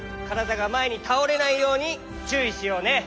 がまえにたおれないようにちゅういしようね。